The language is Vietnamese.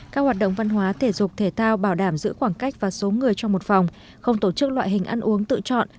các hoạt động văn hóa thể dục thể thao bảo đảm giữ khoảng cách và số người trong một phòng không tổ chức loại hình ăn uống tự chọn